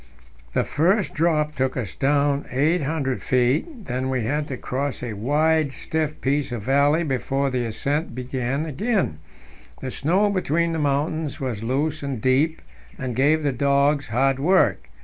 The first drop took us down 800 feet; then we had to cross a wide, stiff piece of valley before the ascent began again. The snow between the mountains was loose and deep, and gave the dogs hard work.